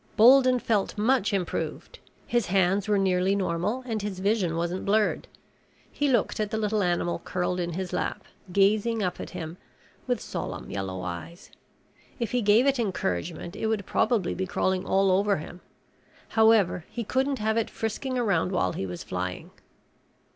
Bolden felt much improved. His hands were nearly normal and his vision wasn't blurred. He looked at the little animal curled in his lap, gazing up at him with solemn yellow eyes. If he gave it encouragement it would probably be crawling all over him. However, he couldn't have it frisking around while he was flying.